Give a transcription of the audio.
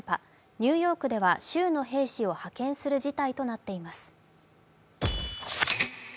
ニューヨークでは州の兵士を派遣する事態となっています。